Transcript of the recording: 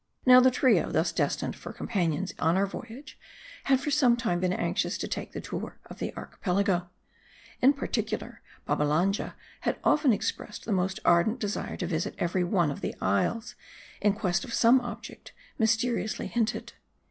Now the trio, thus destined for companions on our voyage, had for some time been anxious to take the tour of the Ar chipelago. In particular, Babbalanja had often expressed the most ardent desire to visit every one of the isles, in quest of some object, mysteriously hinted.